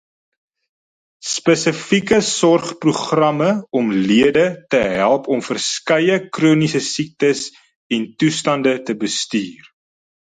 Spesifieke sorgprogramme om lede te help om verskeie chroniese siektes en toestande te bestuur.